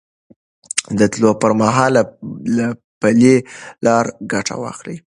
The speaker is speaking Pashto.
د تلو پر مهال له پلي لارو ګټه واخلئ.